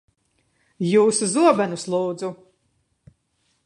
Jūsu zobenus, lūdzu.